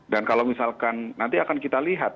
dan kalau misalkan nanti akan kita lihat